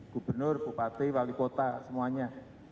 gubernur bupati wali kota semuanya